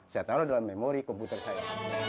saya taruh dalam memori komputer saya